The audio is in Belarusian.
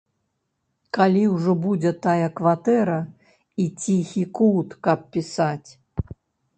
Калі ўжо будзе тая кватэра і ціхі кут, каб пісаць!